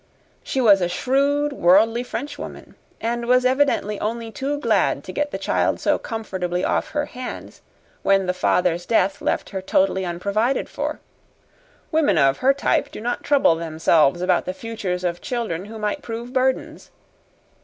"She was a shrewd, worldly Frenchwoman, and was evidently only too glad to get the child so comfortably off her hands when the father's death left her totally unprovided for. Women of her type do not trouble themselves about the futures of children who might prove burdens.